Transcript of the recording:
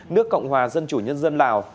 nước cộng hòa dân chủ nhân dân lào